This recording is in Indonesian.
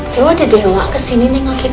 tuh ada dewa kesini nengokin kamu sayang